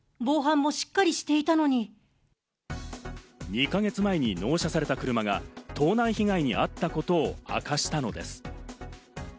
２か月前に納車された車が盗難被害に遭ったことを明かしたのです。